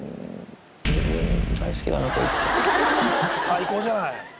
最高じゃない。